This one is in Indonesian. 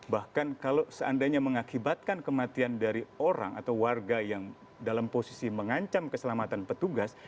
bahkan kalau seandainya mengakibatkan kematian dari orang atau warga yang dalam posisi mengancam keselamatan petugas